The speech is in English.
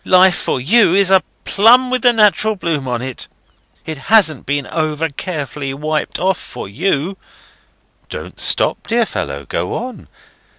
Life, for you, is a plum with the natural bloom on; it hasn't been over carefully wiped off for you—" "Don't stop, dear fellow. Go on."